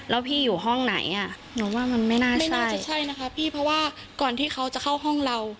แล้วพี่อยู่ห้องไหนอ่ะหนูว่ามันไม่น่าจะใช่นะคะพี่เพราะว่าก่อนที่เขาจะเข้าห้องเรา